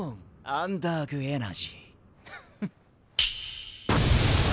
アンダーグ・エナジー！